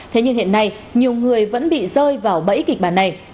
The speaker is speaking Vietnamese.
thế nhưng hiện nay nhiều người vẫn bị rơi vào bẫy kịch bản này